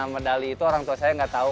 enam medali itu orang tua saya nggak tau